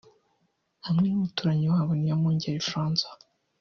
hamwe n’umuturanyi wabo Niyomwungeri Francois